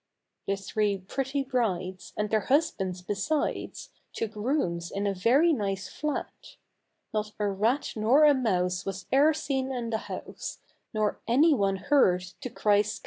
The three pretty brides, and their husbands besides, Took rooms in a very nice flat; Not a rat nor a mouse was e'er seen in the house, Nor any one heard to cry Scat!